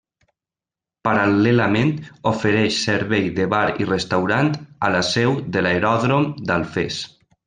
Paral·lelament, ofereix servei de Bar i Restaurant a la seu de l'Aeròdrom d'Alfés.